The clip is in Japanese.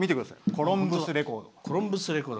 コロンブスレコード。